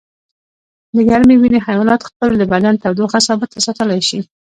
د ګرمې وینې حیوانات خپل د بدن تودوخه ثابته ساتلی شي